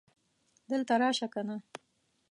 دلته راشه کنه